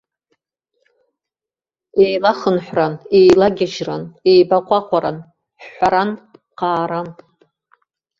Еилахынҳәран, еилагьежьран, еибаҟәаҟәаран, ҳәҳәаран, ҟааран.